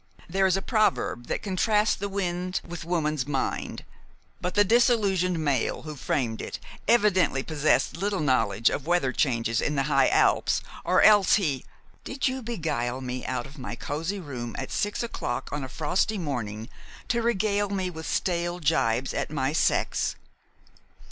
There is a proverb that contrasts the wind with woman's mind; but the disillusioned male who framed it evidently possessed little knowledge of weather changes in the high Alps, or else he " "Did you beguile me out of my cozy room at six o'clock on a frosty morning to regale me with stale jibes at my sex?"